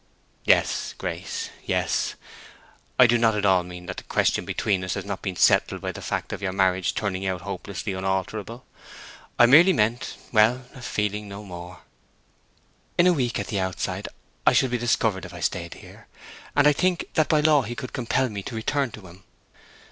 "Yes, Grace, yes. I do not at all mean that the question between us has not been settled by the fact of your marriage turning out hopelessly unalterable. I merely meant—well, a feeling no more." "In a week, at the outside, I should be discovered if I stayed here: and I think that by law he could compel me to return to him."